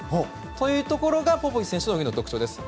というところがポポビッチ選手の泳ぎの特徴です。